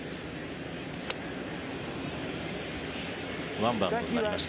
ワンバウンドになりました。